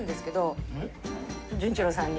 純一郎さんに。